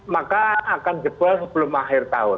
maka akan jebol sebelum akhir tahun